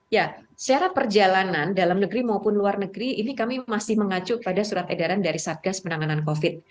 ya secara perjalanan dalam negeri maupun luar negeri ini kami masih mengacu pada surat edaran dari satgas penanganan covid